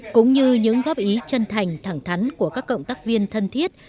cũng như những góp ý chân thành thẳng thắn của các cộng tác viên thân thiết